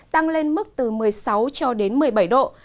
tăng lên mức từ một mươi sáu cho đến một mươi bảy độ